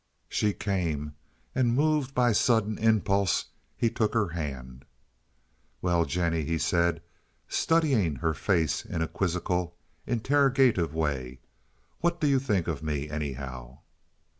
She came, and, moved by a sudden impulse, he took her hand. "Well, Jennie," he said, studying her face in a quizzical, interrogative way, "what do you think of me, anyhow?"